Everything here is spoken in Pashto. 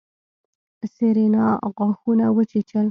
سېرېنا غاښونه وچيچل.